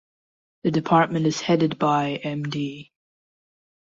The department is headed by Md.